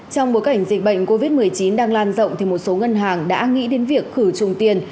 trong bối cảnh dịch bệnh covid một mươi chín đang lan rộng một số ngân hàng đã nghĩ đến việc khử trùng tiền